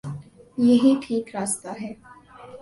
یہی ٹھیک راستہ ہے۔